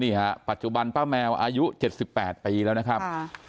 นี่ฮะปัจจุบันป้าแมวอายุเจ็ดสิบแปดปีแล้วนะครับค่ะ